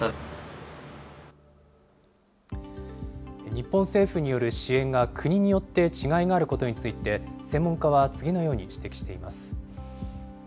日本政府による支援が国によって違いがあることについて、専門家は次のように指摘しています。